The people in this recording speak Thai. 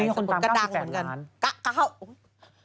ก็ยังกลับมาเนี่ย